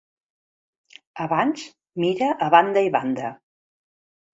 Abans mira a banda i banda.